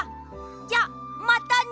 じゃまたね！